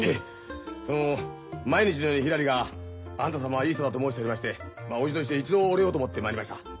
その毎日のようにひらりがあなた様はいい人だと申しておりまして叔父として一度お礼をと思って参りました。